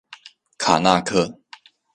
卡那刻。